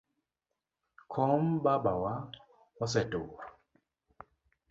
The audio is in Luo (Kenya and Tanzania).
Kom baba wa osetur.